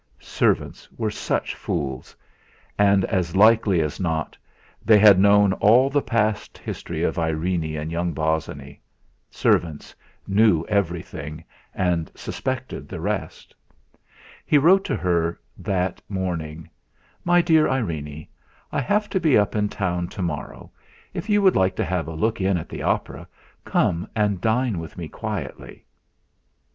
Servants were such fools; and, as likely as not, they had known all the past history of Irene and young Bosinney servants knew everything, and suspected the rest. He wrote to her that morning: "MY DEAR IRENE, I have to be up in town to morrow. If you would like to have a look in at the opera, come and dine with me quietly